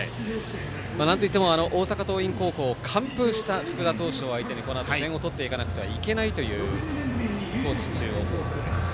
なんといっても大阪桐蔭高校を完封した福田投手を相手にこのあと、点を取っていかないといけないという高知中央高校です。